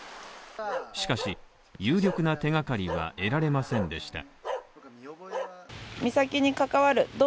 しかし、有力な手がかりは得られませんでした。